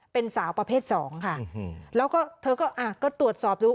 เป็นสาวประเภทสองค่ะแล้วก็เธอก็อ่ะก็ตรวจสอบดู